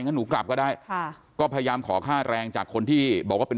งั้นหนูกลับก็ได้ค่ะก็พยายามขอค่าแรงจากคนที่บอกว่าเป็น